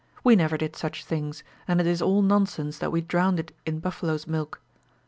We never did such things, and it is all nonsense that we drowned it in buffaloes' milk.